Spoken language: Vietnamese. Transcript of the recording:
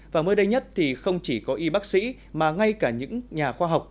và mới đây nhất thì không chỉ có y bác sĩ mà ngay cả những nhà khoa học